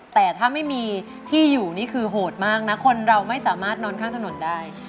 แต่ถ้าไม่มีที่อยู่นี่คือโหดมากนะคนเราไม่สามารถนอนข้างถนนได้